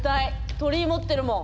鳥居持ってるもん。